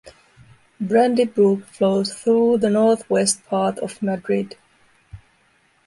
Brandy Brook flows through the northwest part of Madrid.